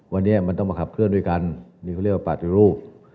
วันนี้มันต้องมาขับเคลื่อนด้วยกันนี่เขาเรียกว่าปฏิรูป